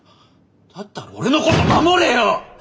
だったら俺のこと守れよ！